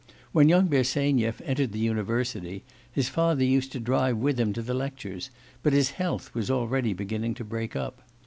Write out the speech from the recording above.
When young Bersenyev entered the university, his father used to drive with him to the lectures, but his health was already beginning to break up.